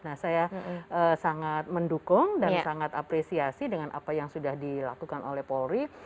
nah saya sangat mendukung dan sangat apresiasi dengan apa yang sudah dilakukan oleh polri